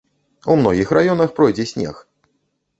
У многіх раёнах пройдзе снег.